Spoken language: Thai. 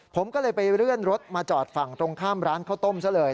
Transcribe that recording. ผมก็เลยไปเลื่อนรถมาจอดฝั่งตรงข้ามร้านข้าวต้มซะเลย